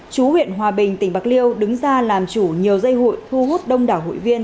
chú huyện hòa bình tỉnh bạc liêu đứng ra làm chủ nhiều dây hụi thu hút đông đảo hụi viên